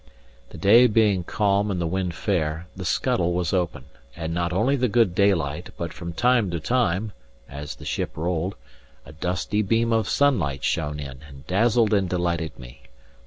The day being calm and the wind fair, the scuttle was open, and not only the good daylight, but from time to time (as the ship rolled) a dusty beam of sunlight shone in, and dazzled and delighted me.